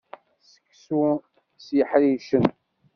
Seksu s yeḥricen.